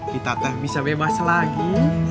pita teh bisa bebas lagi